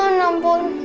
oh tuhan ampun